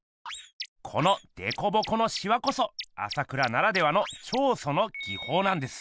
このでこぼこのしわこそ朝倉ならではの「彫塑」の技法なんです。